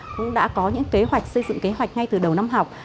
cũng đã có những kế hoạch xây dựng kế hoạch ngay từ đầu năm học